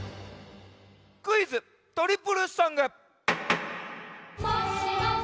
クイズ・トリプルソング！